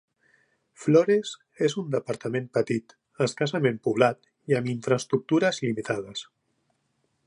Flores és un departament petit, escassament poblat, i amb infraestructures limitades.